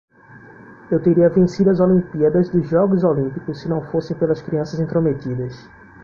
Eu teria vencido as Olimpíadas dos Jogos Olímpicos se não fosse pelas crianças intrometidas.